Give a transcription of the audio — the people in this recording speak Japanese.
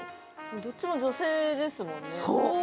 どっちも女性ですもんね。